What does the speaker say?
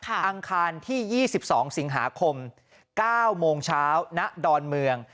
อังคารที่๒๒สิงหาคม๙โมงเช้าณดอนเมือง